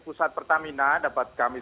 pusat pertamina dapat kami